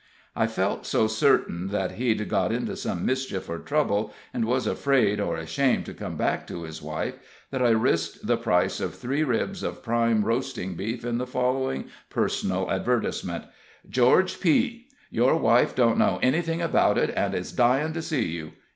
I felt so certain that he'd got into some mischief or trouble, and was afraid or ashamed to come back to his wife, that I risked the price of three ribs of prime roasting beef in the following "Personal" advertisement: "GEORGE P. Your wife don't know anything about it, and is dying to see you.